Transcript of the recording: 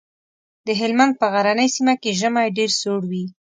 د هلمند په غرنۍ سيمه کې ژمی ډېر سوړ وي.